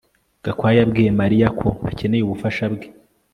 Gakwaya yabwiye Mariya ko akeneye ubufasha bwe